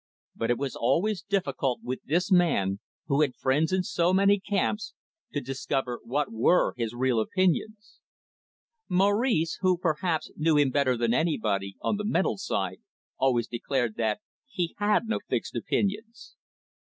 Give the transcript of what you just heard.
But it was always difficult with this man, who had friends in so many camps, to discover what were his real opinions. Maurice who, perhaps, knew him better than anybody, on the mental side, always declared that he had no fixed opinions.